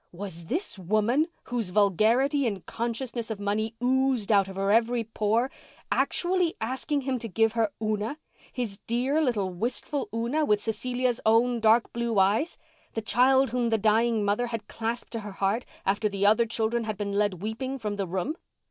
Was this woman, whose vulgarity and consciousness of money oozed out of her at every pore, actually asking him to give her Una—his dear little wistful Una with Cecilia's own dark blue eyes—the child whom the dying mother had clasped to her heart after the other children had been led weeping from the room.